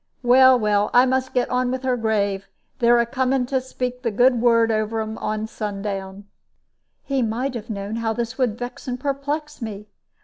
Well, well, I must get on with her grave; they're a coming to speak the good word over un on sundown." He might have known how this would vex and perplex me.